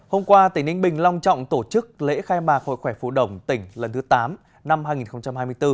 hôm qua tỉnh ninh bình long trọng tổ chức lễ khai mạc hội khỏe phụ đồng tỉnh lần thứ tám năm hai nghìn hai mươi bốn